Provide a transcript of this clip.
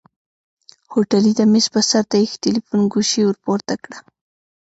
هوټلي د مېز پر سر د ايښي تليفون ګوشۍ ورپورته کړه.